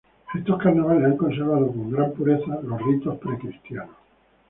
Estos carnavales han conservado con gran pureza los ritos precristianos.